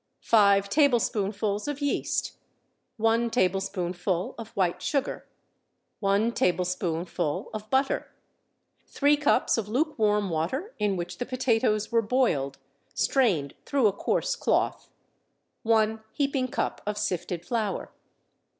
Five tablespoonfuls of yeast. One tablespoonful of white sugar. One tablespoonful of butter. Three cups of lukewarm water in which the potatoes were boiled—strained through a coarse cloth. One heaping cup of sifted flour.